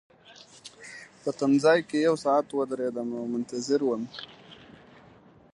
په تمځای کي یو ساعت ودریدم او منتظر وم.